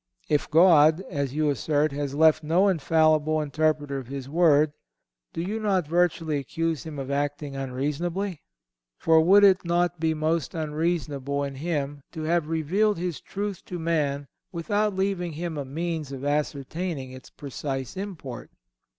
If God, as you assert, has left no infallible interpreter of His Word, do you not virtually accuse Him of acting unreasonably? for would it not be most unreasonable in Him to have revealed His truth to man without leaving him a means of ascertaining its precise import?